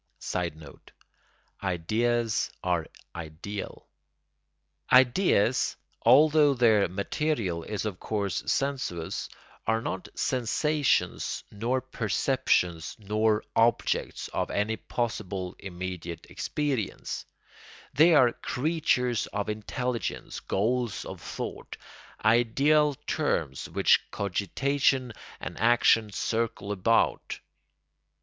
[Sidenote: Ideas are ideal.] Ideas, although their material is of course sensuous, are not sensations nor perceptions nor objects of any possible immediate experience: they are creatures of intelligence, goals of thought, ideal terms which cogitation and action circle about.